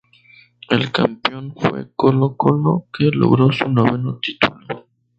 El campeón fue Colo-Colo que logró su noveno título.